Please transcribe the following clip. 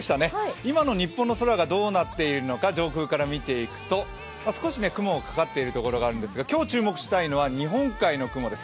今の日本の空がどうなっているのか、上空から見ていくと、少し雲がかかっているところがあるんですが、今日注目したいのは日本海の雲です。